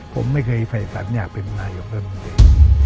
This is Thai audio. ผมไม่เคยเป็นแบบนี้อยากเป็นนายกับเพื่อนมันด้วย